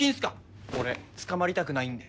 俺捕まりたくないんで。